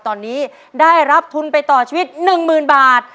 ตอนนี้ได้รับทุนไปต่อชีวิต๑๐๐๐บาท